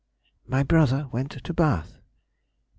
_—My brother went to Bath. _Mem.